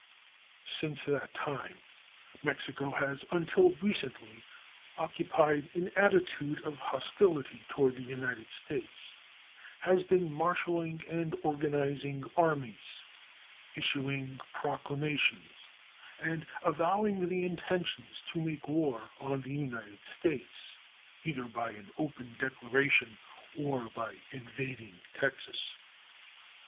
Since that time Mexico has until recently occupied an attitude of hostility toward the United States has been marshaling and organizing armies, issuing proclamations, and avowing the intention to make war on the United States, either by an open declaration or by invading Texas.